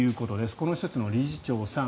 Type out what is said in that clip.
この施設の理事長さん。